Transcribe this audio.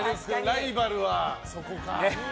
ライバルはそこか。